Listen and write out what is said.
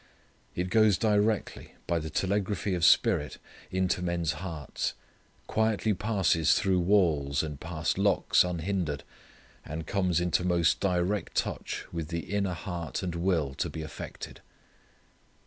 It goes directly, by the telegraphy of spirit, into men's hearts, quietly passes through walls, and past locks unhindered, and comes into most direct touch with the inner heart and will to be affected.